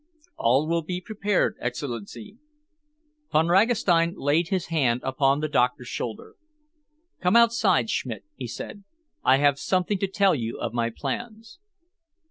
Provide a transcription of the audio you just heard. "All will be prepared, Excellency." Von Ragastein laid his hand upon the doctor's shoulder. "Come outside, Schmidt," he said. "I have something to tell you of my plans."